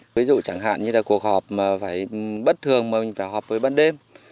ví dụ chẳng hạn như là cuộc họp mà phải bất thường mà phải họp bằng đêm